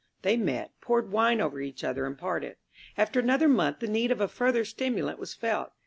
They met, poured wine over each other and parted. After another month the need of a further stimulant was felt.